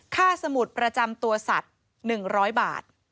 สมุดประจำตัวสัตว์๑๐๐บาท